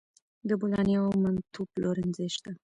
د بولاني او منتو پلورنځي شته